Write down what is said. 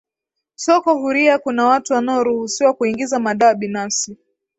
soko huriya kuna watu wanaoruhusiwa kuingiza madawa binafsi